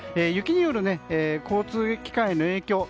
雪による交通機関への影響